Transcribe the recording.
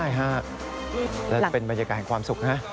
ใช่ครับและเป็นบรรยากาศความสุขนะ